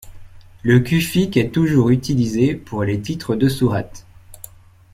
Le kufique est toujours utilisé pour les titres de sourates.